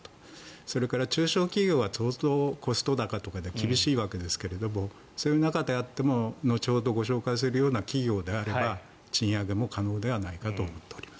それから中小企業は相当コスト高とかで厳しいわけですがそういう中であっても後ほどご紹介するような企業であれば賃上げも可能ではないかと思っております。